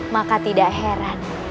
maka tidak heran